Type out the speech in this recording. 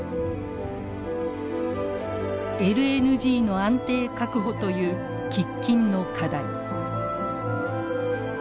ＬＮＧの安定確保という喫緊の課題。